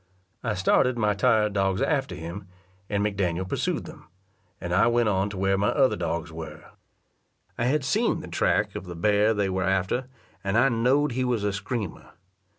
I started my tired dogs after him, and McDaniel pursued them, and I went on to where my other dogs were. I had seen the track of the bear they were after, and I knowed he was a screamer.